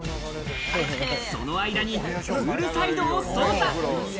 その間にプールサイドを捜査。